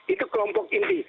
itu kelompok ini